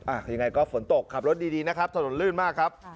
ยังไงก็ฝนตกขับรถดีนะครับถนนลื่นมากครับ